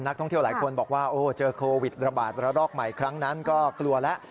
ท่องเที่ยวหลายคนบอกว่าโอ้เจอโควิดระบาดระลอกใหม่ครั้งนั้นก็กลัวแล้ว